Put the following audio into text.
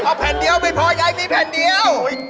เอาแผ่นเดียวไม่พอยายมีแผ่นเดียว